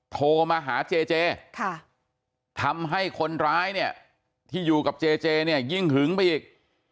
โทรมาหาเจเจทำให้คนร้ายเนี่ยที่อยู่กับเจเจเนี่ยยิ่งหึงไปอีก